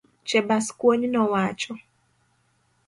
Chebaskwony nowacho.